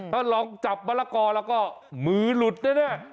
ถ้าลองจับมะละกอแล้วก็มือหลุดแน่